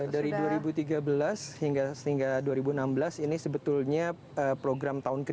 dari dua ribu tiga belas hingga dua ribu enam belas ini sebetulnya program tahun ketiga